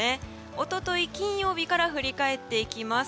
一昨日、金曜日から振り返っていきます。